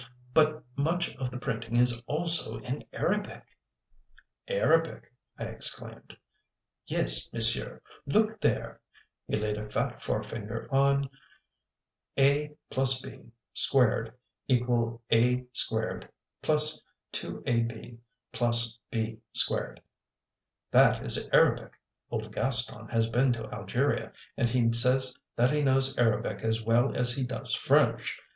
But much of the printing is also in Arabic." "Arabic!" I exclaimed. "Yes, monsieur, look there." He laid a fat forefinger on "(a + b)2 = a2 + 2ab + b2." "That is Arabic. Old Gaston has been to Algeria, and he says that he knows Arabic as well as he does French.